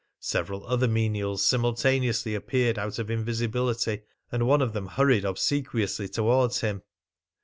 Several other menials simultaneously appeared out of invisibility, and one of them hurried obsequiously towards him.